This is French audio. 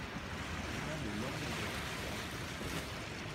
Chemin de l'Orme Vert à Courcelles